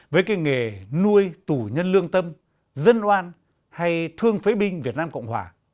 với nghề nuôi tù nhân lương tâm dân loan hay thương phế binh việt nam cộng hòa